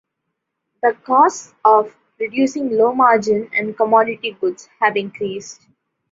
The costs of producing low margin and commodity goods have increased.